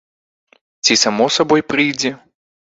Ці само сабой прыйдзе?